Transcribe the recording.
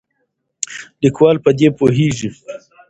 لیکوال په دې پوهیږي.